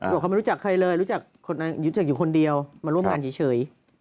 บอกเขาไม่รู้จักใครเลยรู้จักอยู่คนเดียวมาร่วมงานเฉย